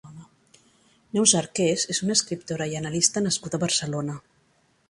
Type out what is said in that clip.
Neus Arqués és una escriptora i analista nascuda a Barcelona.